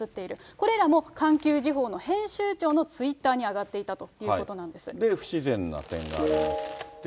これらも環球時報の編集長のツイッターに上がってい不自然な点がありまして。